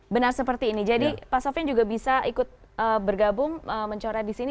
benar seperti ini jadi pak sofian juga bisa ikut bergabung mencoret di sini